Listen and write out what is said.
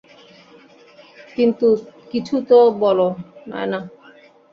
কিছু তো বল, নায়না।